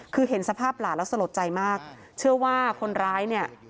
คือเห็นสภาพหลานแล้วสลดใจมากเชื่อว่าคนร้ายเนี่ย